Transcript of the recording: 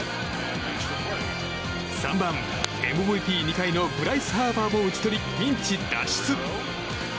３番、ＭＶＰ２回のブライス・ハーパーも打ち取りピンチ脱出。